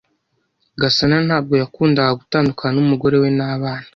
Gasana ntabwo yakundaga gutandukana numugore we nabana.